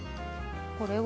これを。